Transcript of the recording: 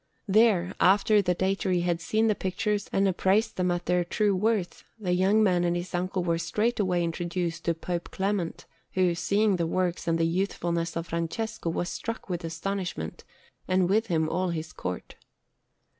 There, after the Datary had seen the pictures and appraised them at their true worth, the young man and his uncle were straightway introduced to Pope Clement, who, seeing the works and the youthfulness of Francesco, was struck with astonishment, and with him all his Court.